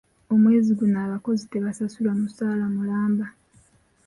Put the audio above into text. Omwezi guno abakozi tebasasulwa musaala mulamba.